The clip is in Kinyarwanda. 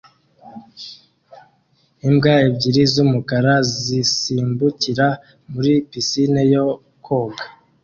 Imbwa ebyiri z'umukara zisimbukira muri pisine yo koga